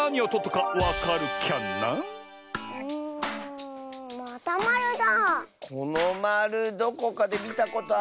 このまるどこかでみたことあるきがするッス！